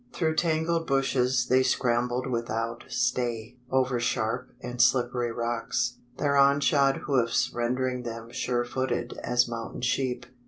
Through tangled bushes they scrambled without stay, over sharp and slippery rocks their unshod hoofs rendering them sure footed as mountain sheep.